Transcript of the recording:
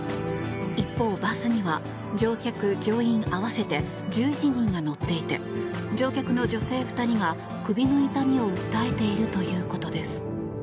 一方、バスには乗客・乗員合わせて１１人が乗っていて乗客の女性２人が首の痛みを訴えているということです。